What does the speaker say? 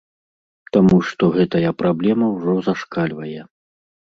Таму што гэтая праблема ўжо зашкальвае.